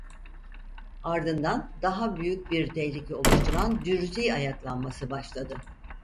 Ardından daha büyük bir tehlike oluşturan Dürzi ayaklanması başladı.